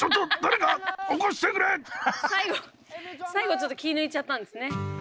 最後最後ちょっと気ぃ抜いちゃったんですね。